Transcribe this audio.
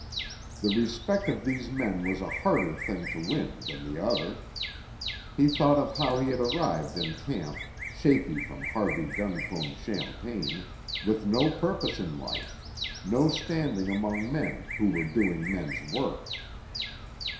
The respect of these men was a harder thing to win than the other. He thought of how he had arrived in camp, shaky from Harvey Duncombe's champagne, with no purpose in life, no standing among men who were doing men's work.